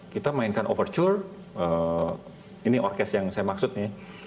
kita mainkan overture ini orkest yang saya maksudnya